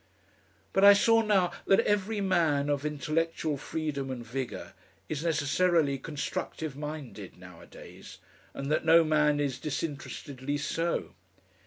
But I saw now that every man of intellectual freedom and vigour is necessarily constructive minded nowadays, and that no man is disinterestedly so.